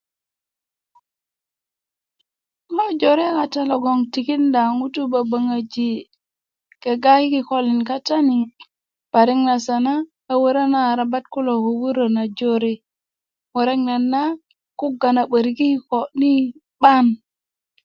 ŋo jore kata logon tikinda ŋutu böböŋöji kega i kikölin kata ni parik nase na arabat kulo wörö ko wurö na jore murek nayit na kuga na 'borik i kikö ni 'ban